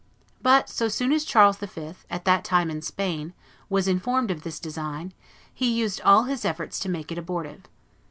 But, so soon as Charles V., at that time in Spain, was informed of this design, he used all his efforts to make it abortive.